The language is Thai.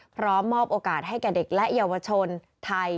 พร้อมมอบโอกาสให้แก่เด็กและเยาวชนไทย